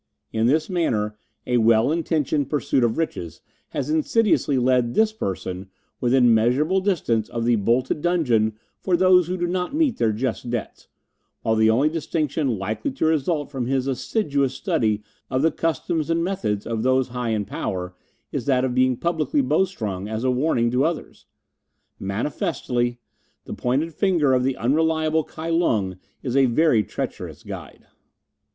In this manner a well intentioned pursuit of riches has insidiously led this person within measurable distance of the bolted dungeon for those who do not meet their just debts, while the only distinction likely to result from his assiduous study of the customs and methods of those high in power is that of being publicly bowstrung as a warning to others. Manifestedly the pointed finger of the unreliable Kai Lung is a very treacherous guide."